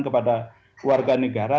kepada warga negara